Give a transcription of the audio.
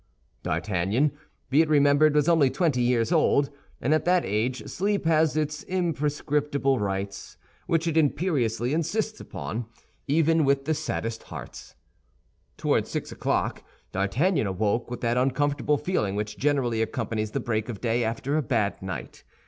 D'Artagnan, be it remembered, was only twenty years old, and at that age sleep has its imprescriptible rights which it imperiously insists upon, even with the saddest hearts. Toward six o'clock D'Artagnan awoke with that uncomfortable feeling which generally accompanies the break of day after a bad night.